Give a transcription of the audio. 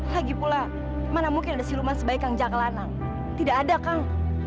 lagi pula mana mungkin ada siluman sebaik kang jakalanang tidak ada kang